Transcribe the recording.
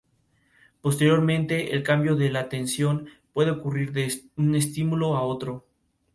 Posteriormente el cambio de la atención puede ocurrir de un estímulo a otro.